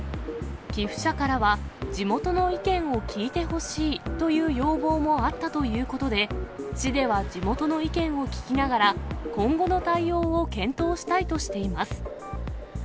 寄付者からは、地元の意見を聞いてほしいという要望もあったということで、市では地元の意見を聞きながら、今後の対応を検討したいとしています。